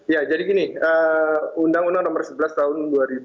ya jadi gini undang undang nomor sebelas tahun dua ribu dua